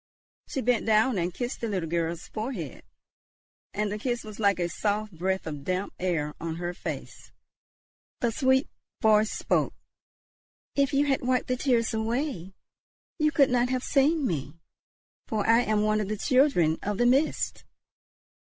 She bent down and kissed the little girl's forehead, and the kiss was like a soft breath of damp air on her face. The sweet voice spoke. "If you had wiped the tears away, you could not have seen me, for I am one of the children of the Mist.